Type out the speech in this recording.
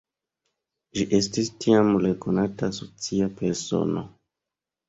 Ĝi estis tiam rekonata socia persono.